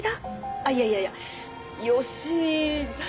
あっいやいやいや吉井だったかな？